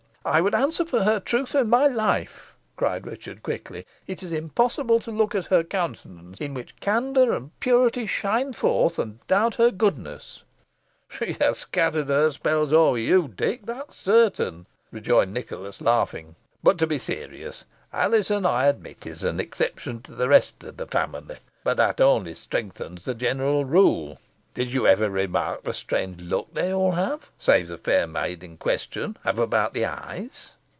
"I would answer for her truth with my life," cried Richard, quickly. "It is impossible to look at her countenance, in which candour and purity shine forth, and doubt her goodness." "She hath cast her spells over you, Dick, that is certain," rejoined Nicholas, laughing; "but to be serious. Alizon, I admit, is an exception to the rest of the family, but that only strengthens the general rule. Did you ever remark the strange look they all save the fair maid in question have about the eyes?"